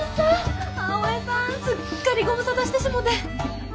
すっかりご無沙汰してしもて。